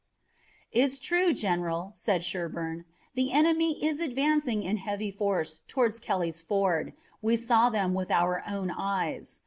"It's true, General," said Sherburne. "The enemy is advancing in heavy force toward Kelly's Ford. We saw them with our own eyes.